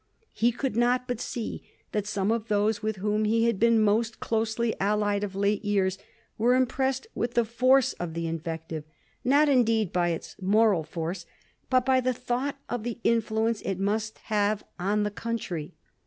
He could not but see that some of those with whom he had been most closely allied of late years were impressed with the force of the invective; not, indeed, by its moral force, but by the thought of the influence it must have on the coun try.